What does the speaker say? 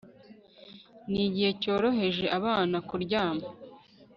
nigihe cyohereje abana kuryama